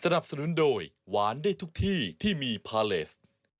สนุนโดยหวานได้ทุกที่ที่มีพาเลส